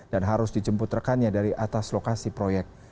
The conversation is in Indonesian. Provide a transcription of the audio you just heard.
dan harus dijemput rekannya dari atas lokasi proyek